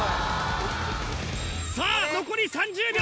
さぁ残り３０秒！